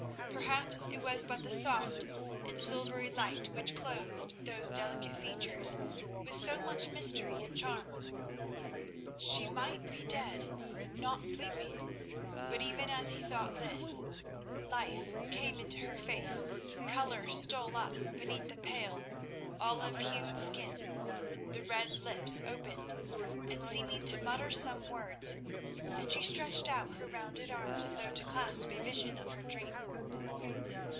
Perhaps it was but the soft and silvery light which clothed those delicate features with so much mystery and charm. She might be dead, not sleeping; but even as he thought this, life came into her face, colour stole up beneath the pale, olive hued skin, the red lips opened, seeming to mutter some words, and she stretched out her rounded arms as though to clasp a vision of her dream.